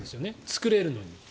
作れるのに。